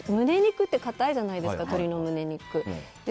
胸肉って硬いじゃないですか。